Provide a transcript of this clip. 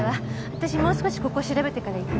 私もう少しここを調べてから行くね。